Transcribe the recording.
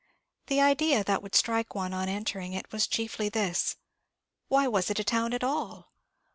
The idea that would strike one on entering it was chiefly this: "Why was it a town at all?